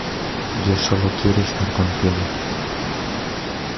yo solo quiero estar contigo.